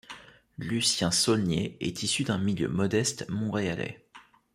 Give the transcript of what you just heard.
Lucien Saulnier est issu d'un milieu modeste montréalais.